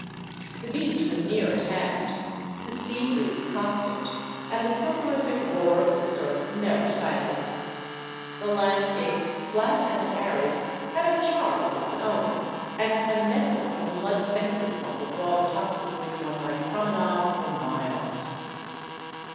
The beach was near at hand, the sea breeze constant, and the soporific roar of the surf never silent. The landscape, flat and arid, had a charm of its own, ; and a network of mud fences, on the broad tops of which one might I promenade for miles.